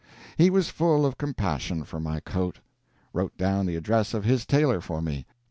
He was full of compassion for my coat. Wrote down the address of his tailor for me.